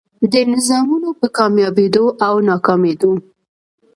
دې نظامونو په کاميابېدو او ناکامېدو